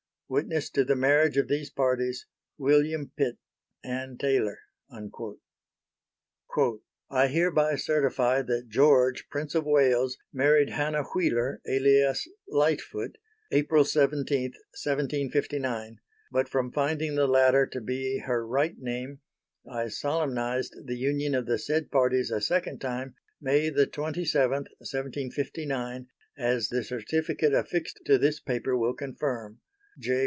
Witness to the marriage of these parties, "William Pitt." "Anne Taylor." "I hereby Certify that George, Prince of Wales, married Hannah Wheeler alias Lightfoot, April 17, 1759, but from finding the latter to be her right name I solemnized the union of the said parties a second time May the 27th, 1759, as the Certificate affixed to this paper will confirm. "J.